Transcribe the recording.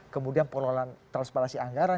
kemudian pengelolaan transparansi anggaran